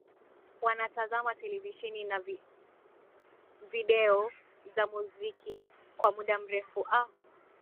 Wanatazama televisheni na video za muziki kwa muda mrefu a